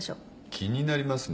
気になりますね。